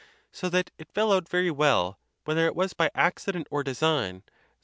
So that it fell out very well, wheth er it was by accident or design, that.